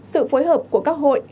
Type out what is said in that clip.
sự phối hợp của các hội